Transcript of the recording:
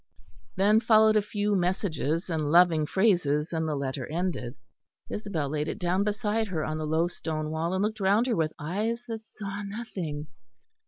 Then followed a few messages, and loving phrases, and the letter ended. Isabel laid it down beside her on the low stone wall; and looked round her with eyes that saw nothing.